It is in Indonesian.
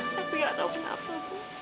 tapi nggak tahu kenapa bu